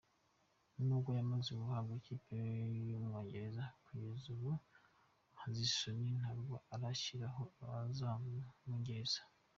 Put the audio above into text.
Nubwo yamaze guhabwa ikipe y’Ubwongereza, kugeza ubu Hojisoni ntabwo arashyiraho abazamwungiriza.